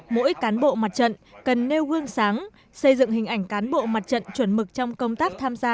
mỗi cán bộ mặt trận cần nêu gương sáng xây dựng hình ảnh cán bộ mặt trận chuẩn mực trong công tác tham gia